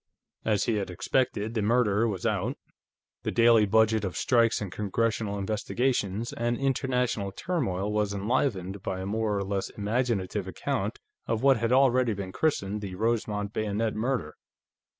As he had expected, the murder was out; the daily budget of strikes and Congressional investigations and international turmoil was enlivened by a more or less imaginative account of what had already been christened the "Rosemont Bayonet Murder."